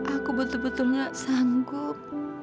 aku betul betul tidak sanggup